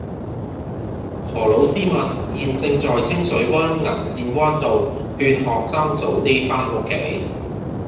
何老師問現正在清水灣銀線灣道勸學生早啲返屋企